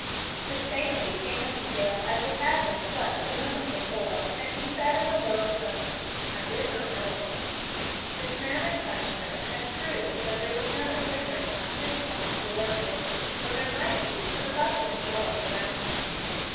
His face became as pale as it had been flushed a moment before, and he said, in a low tone, "I did not know it." His manner touched her, and proved that there was no indifference on his part toward her, though there might be to the bustling world around him.